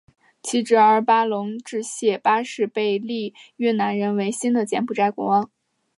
其侄儿巴龙列谢八世被立越南人为新的柬埔寨国王。